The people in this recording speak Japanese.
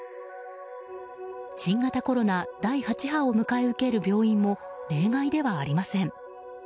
新型コロナ第８波を迎え受ける病院も例外ではありません。